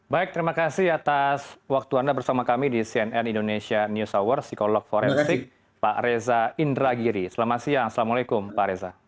baik terima kasih atas waktu anda bersama kami di cnn indonesia news hour psikolog forensik pak reza indragiri selamat siang assalamualaikum pak reza